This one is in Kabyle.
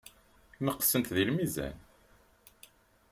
Neqsent deg lmizan.